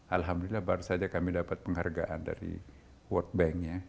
alhamdulillah baru saja kami dapat penghargaan dari world bank ya